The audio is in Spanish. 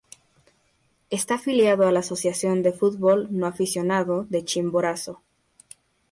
Está afiliado a la Asociación de Fútbol No Aficionado de Chimborazo.